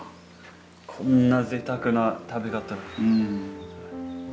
こんなぜいたくな食べ方。